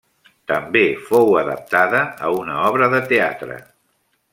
També fou adaptada a una obra de teatre.